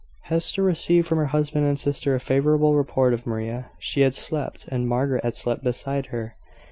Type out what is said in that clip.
Hester received from her husband and sister a favourable report of Maria. She had slept, and Margaret had slept beside her.